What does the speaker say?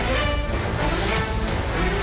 ก็ต้องชมเชยเขาล่ะครับเดี๋ยวลองไปดูห้องอื่นต่อนะครับ